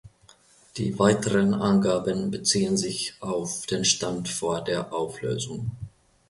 Die weiteren Angaben beziehen sich auf den Stand vor der Auflösung.